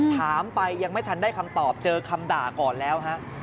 ถามไปยังไม่ทันได้คำตอบเจอคำด่าก่อนแล้วฮะ